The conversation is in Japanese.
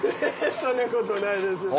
そんなことないです。